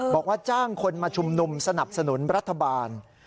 บอกว่าจ้างคนมาชุมนุมสนับสนุนรัฐบาล